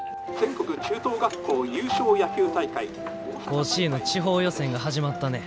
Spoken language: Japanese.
「甲子園の地方予選が始まったね。